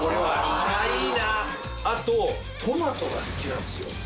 あとトマトが好きなんですよ。